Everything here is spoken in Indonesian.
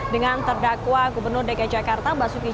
dengan terdakwa gubernur dg jakarta mbak suki ceng